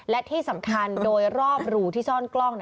และที่สำคัญโดยรอบรูที่ซ่อนกล้อง